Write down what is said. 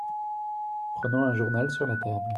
Prenant un journal sur la table.